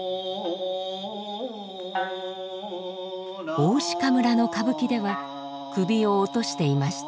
大鹿村の歌舞伎では首を落としていました。